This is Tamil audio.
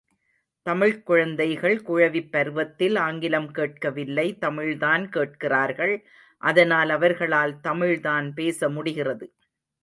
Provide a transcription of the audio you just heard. தமிழ்க் குழந்தைகள் குழவிப் பருவத்தில் ஆங்கிலம் கேட்க வில்லை தமிழ்தான் கேட்கிறார்கள் அதனால் அவர்களால் தமிழ்தான் பேசமுடிகிறது.